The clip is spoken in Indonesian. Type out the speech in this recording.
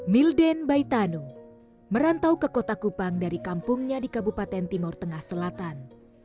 milden baitano merantau ke kota kupang dari kampungnya di kabupaten timur tengah selatan